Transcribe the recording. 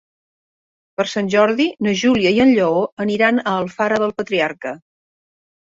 Per Sant Jordi na Júlia i en Lleó aniran a Alfara del Patriarca.